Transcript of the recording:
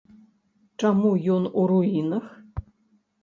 Чаму ён у руінах?